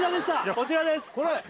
こちらですこれ？